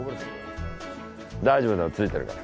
大丈夫ついてるから。